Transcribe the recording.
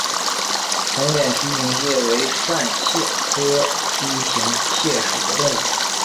红点梯形蟹为扇蟹科梯形蟹属的动物。